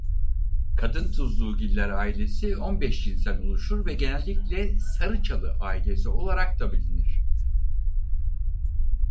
Kadıntuzluğugiller ailesi on beş cinsten oluşur ve genelde sarıçalı ailesi olarak da bilinir.